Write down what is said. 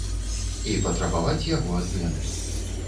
І патрабаваць яго адмены.